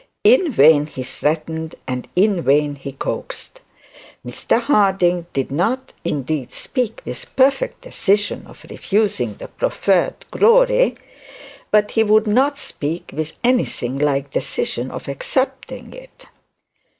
In vain he threatened and in vain he coaxed. Mr Harding did not indeed speak with perfect decision of refusing the proffered glory, but he would not speak with anything like decision of accepting it.